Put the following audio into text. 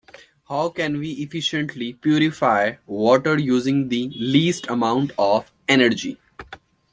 How can we efficiently purify water using the least amount of energy?